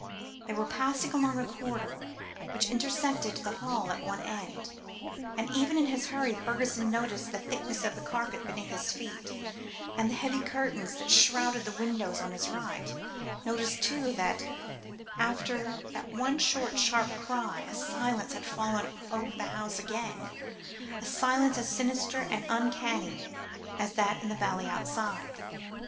They were passing along a corridor, which intersected the hall at one end, and even in his hurry Fergusson noticed the thickness of the carpet beneath his feet, and the heavy curtains that shrouded the windows on his right; noticed, too, that after that one short sharp cry, a silence had fallen over the house again a silence as sinister and uncanny as that in the valley outside.